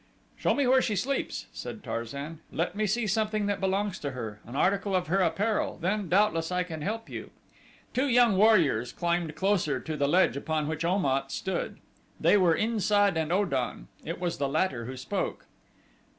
"Show me where she sleeps," said Tarzan; "let me see something that belongs to her an article of her apparel then, doubtless, I can help you." Two young warriors climbed closer to the ledge upon which Om at stood. They were In sad and O dan. It was the latter who spoke.